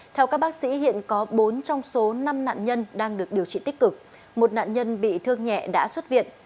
theo các bác sĩ hiện có bốn trong số năm nạn nhân đang được điều trị tích cực một nạn nhân bị thương nhẹ đã xuất viện